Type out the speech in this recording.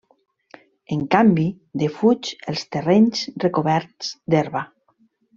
En canvi, defuig els terrenys recoberts d'herba.